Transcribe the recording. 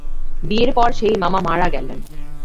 বিয়ের পর সেই মামা মারা গেলেন।